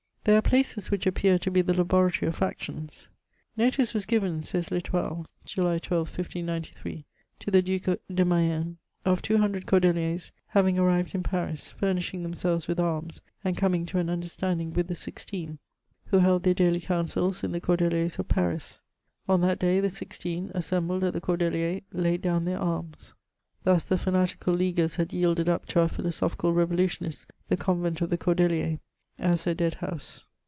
There are places which appear to be the laboratory of fac tions. "Notice was given," says L'Estoile (July 12th, 1593,) to the Duke de Mayenne, of two hundred Cordeliers having arrived in Paris, furnishing themselves with arms, and coming to an understanding with the Sixteen, who held their daily councils in the Cordeliers of Paris ... On that day the Sixteen, assembled at the Cordeliers, laid down their arms." Thus the fanatical leaguers had yielded up to our philosophical revolu tionists the convent of the Cordeliers, as a dead house.